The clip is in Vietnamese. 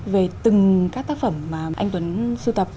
về từng các tác phẩm mà anh tuấn siêu tập